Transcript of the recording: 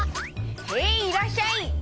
へいいらっしゃい！